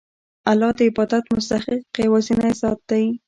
الله د عبادت مستحق یوازینی ذات دی.